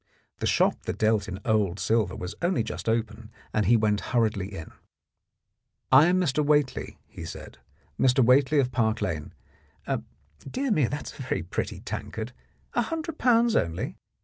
The shop that dealt in old silver was only just open, and he went hurriedly in. "I am Mr. Whately," he said, "Mr. Whately, of Park Lane. Dear me, that is a very pretty tankard. A hundred pounds only